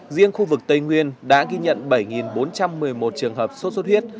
riêng khu vực tây nguyên đã ghi nhận bảy bốn trăm một mươi một trường hợp sốt xuất huyết